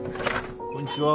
こんにちは。